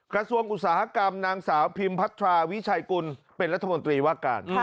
อุตสาหกรรมนางสาวพิมพัทราวิชัยกุลเป็นรัฐมนตรีว่าการ